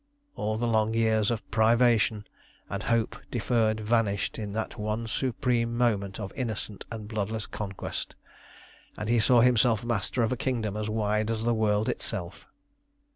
All the long years of privation and hope deferred vanished in that one supreme moment of innocent and bloodless conquest, and he saw himself master of a kingdom as wide as the world itself.